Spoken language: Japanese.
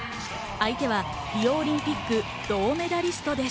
相手はリオオリンピック銅メダリストです。